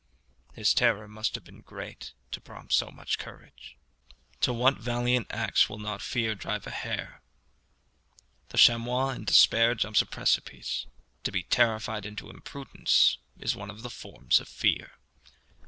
His terror must have been great to prompt so much courage. To what valiant acts will not fear drive a hare! The chamois in despair jumps a precipice. To be terrified into imprudence is one of the forms of fear.